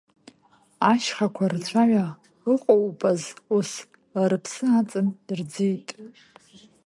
Ашьхақәа рцәаҩа ыҟоупаз ус, рыԥсы аҵан ирӡеит.